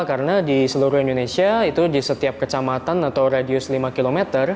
karena di seluruh indonesia itu di setiap kecamatan atau radius lima km